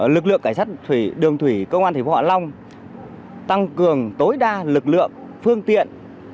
lực lượng cảnh sát đường thủy công an thủy võ họa long tăng cường tối đa lực lượng phương tiện